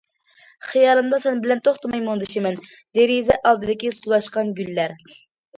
خىيالىمدا سەن بىلەن توختىماي مۇڭدىشىمەن... دېرىزە ئالدىدىكى سولاشقان گۈللەر!...